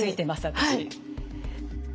私。